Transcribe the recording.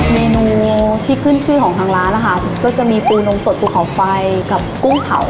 เมนูที่ขึ้นชื่อของทางร้านนะคะก็จะมีปูนมสดภูเขาไฟกับกุ้งเผา